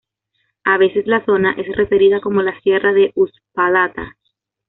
A veces la zona es referida como la sierra de Uspallata.